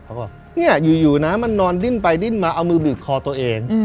เขาบอกเนี่ยอยู่นะมันนอนดิ้นไปดิ้นมาเอามือบีบคอตัวเอง